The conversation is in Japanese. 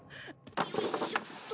よいしょっと。